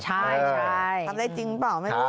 ครับ